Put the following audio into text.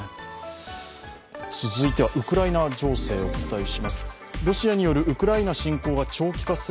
続いてはウクライナ情勢お伝えします。